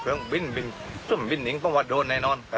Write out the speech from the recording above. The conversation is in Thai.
ตรงนู้นลำตรงนี้ลำ